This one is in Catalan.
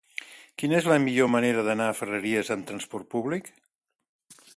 Quina és la millor manera d'anar a Ferreries amb transport públic?